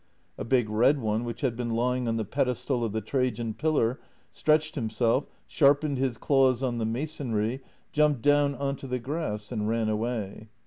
A big red one which had been lying on the pedestal of the Trajan pillar stretched himself, sharpened his claws on the masonry, jumped down on to the grass, and ran away.